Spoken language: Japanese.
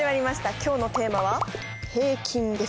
今日のテーマは「平均」です。